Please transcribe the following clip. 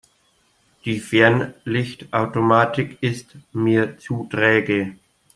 Die Fernlichtautomatik ist mir zu träge.